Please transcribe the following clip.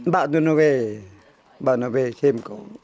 bạn nó về bạn nó về xem